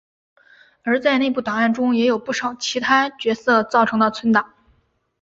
而在内部档案中也有不少其他角色造成的存档。